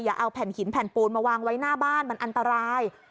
เอาแผ่นหินแผ่นปูนมาวางไว้หน้าบ้านมันอันตราย